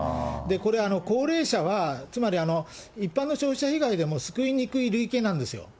これ、高齢者は、つまり一般の消費者被害でも、救いにくい類型なんですよ。